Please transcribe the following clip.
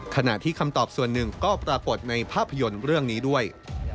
ขณะที่คำตอบส่วนหนึ่งก็ปรากฏในภาพยนตร์เรื่องนี้ด้วย